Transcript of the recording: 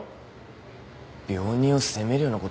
病人を責めるようなこと言うなよ。